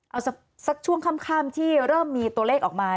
เอาสักช่วงค่ำที่เริ่มมีตัวเลขออกมา